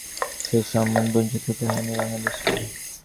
শেষ পর্যন্ত অবশ্য আয়োজক হওয়ার সম্মান থেকে বঞ্চিত হতে হয়নি বাংলাদেশকে।